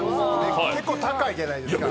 結構高いじゃないですか。